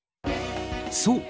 そう。